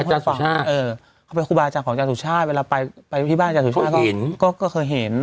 อาจารย์เขาเป็นครูบาอาจารย์ของอาจารย์สุชาติเวลาไปที่บ้านอาจารย์สุชาติเห็นก็เคยเห็น